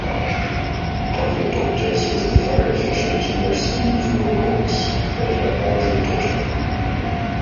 Helping the doctors was the very efficient Nurse Eve Wilcox, played by Audrey Totter.